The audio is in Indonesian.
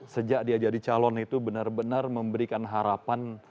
sejak dia jadi calon itu benar benar memberikan harapan